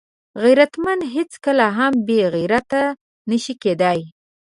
غیرتمند هیڅکله هم بېغیرته نه شي کېدای